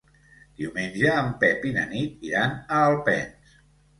Diumenge en Pep i na Nit iran a Alpens.